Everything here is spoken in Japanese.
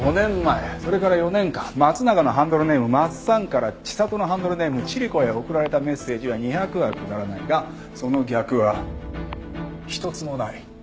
それから４年間松永のハンドルネームまっさんから知里のハンドルネームチリコへ送られたメッセージは２００は下らないがその逆は一つもない。